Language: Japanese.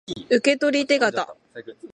受取手形